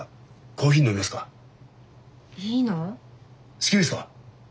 好きですか？